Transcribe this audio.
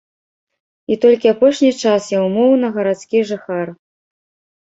І толькі апошні час я ўмоўна гарадскі жыхар.